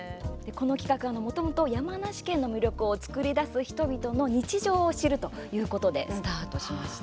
この企画、もともと山梨県の魅力を作り出す人々の日常を知るということでスタートしました。